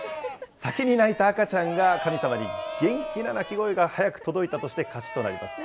先に泣いた赤ちゃんが、神様に元気な泣き声が早く届いてたとして勝ちとなります。